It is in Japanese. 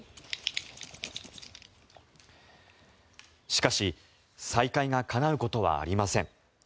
しかし再会がかなうことはありません。